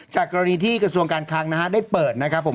จากกรณีที่กระทรวงการคลังนะฮะได้เปิดนะครับผม